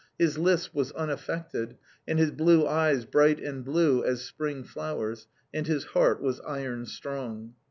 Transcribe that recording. His lisp was unaffected, and his blue eyes bright and blue as spring flowers, and his heart was iron strong.